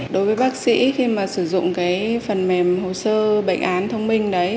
đối với bác sĩ khi mà sử dụng cái phần mềm hồ sơ bệnh án thông minh đấy